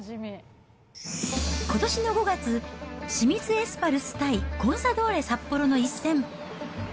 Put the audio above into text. ことしの５月、清水エスパルス対コンサドーレ札幌の一戦。